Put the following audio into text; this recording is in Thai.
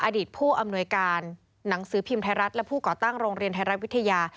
อดีตผู้อำนวยการหนังสือพิมพ์ไทยรัฐและผู้ก่อตั้งโรงเรียนไทยรัฐวิทยา